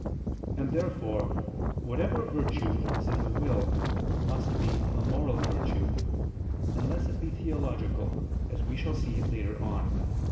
And therefore whatever virtue is in the will must be a moral virtue, unless it be theological, as we shall see later on (Q.